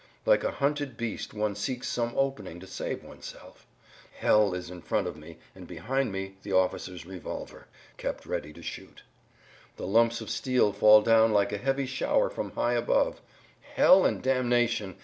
Like a hunted beast one seeks some opening to save oneself. Hell is in front of me and behind me the officer's revolver, kept ready to shoot.—The lumps of steel fall down like a heavy shower from high above. Hell and damnation!